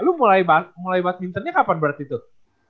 lu mulai badmintonnya kapan berarti tuh